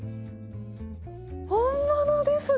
本物ですね